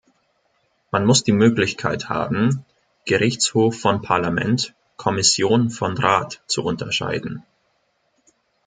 Man muss die Möglichkeit haben, Gerichtshof von Parlament, Kommission von Rat zu unterscheiden.